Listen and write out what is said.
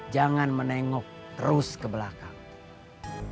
jangan menengok terus ke belakang